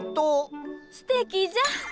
すてきじゃ。